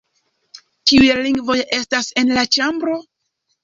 Kiuj lingvoj estas en la ĉambro?